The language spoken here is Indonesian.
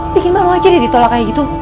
bikin malu aja deh ditolak kayak gitu